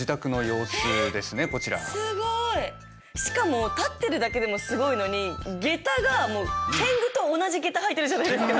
すごい！しかも立ってるだけでもすごいのに下駄がもう天狗と同じ下駄はいてるじゃないですか。